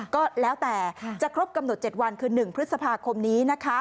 ก็แล้วแต่จะครบกำหนด๗วันคือ๑พฤษภาคมนี้นะคะ